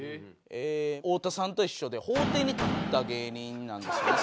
太田さんと一緒で法廷に立った芸人なんですよね